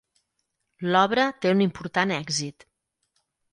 L'obra té un important èxit.